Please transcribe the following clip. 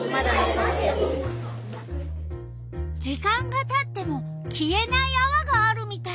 時間がたっても消えないあわがあるみたい。